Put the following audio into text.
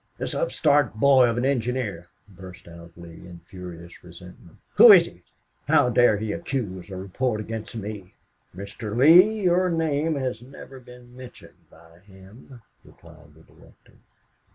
"This upstart boy of an engineer!" burst out Lee, in furious resentment. "Who is he? How dare he accuse or report against me?" "Mr. Lee, your name has never been mentioned by him," replied the director.